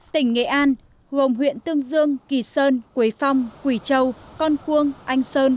tỉnh nghệ an gồm huyện tương dương kỳ sơn quế phong quỳ châu con cuông anh sơn